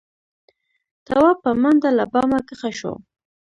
تواب په منډه له بامه کښه شو.